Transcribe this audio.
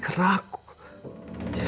saya mau cek cctv